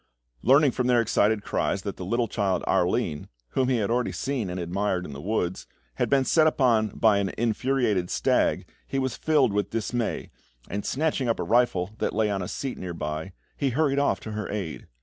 Learning from their excited cries that the little child, Arline whom he had already seen and admired in the woods had been set upon by an infuriated stag, he was filled with dismay, and snatching up a rifle that lay on a seat near by, he hurried off to her aid.